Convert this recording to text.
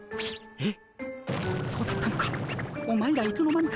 えっ？